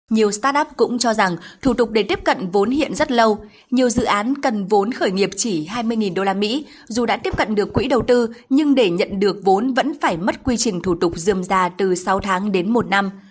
nhiều start up cũng cho rằng thủ tục để tiếp cận vốn hiện rất lâu nhiều dự án cần vốn khởi nghiệp chỉ hai mươi usd dù đã tiếp cận được quỹ đầu tư nhưng để nhận được vốn vẫn phải mất quy trình thủ tục dườm ra từ sáu tháng đến một năm